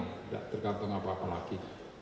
tidak tergantung apa apa lagi